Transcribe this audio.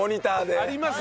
ありますね。